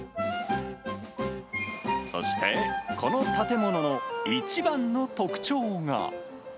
そして、この建物の一番の特徴が。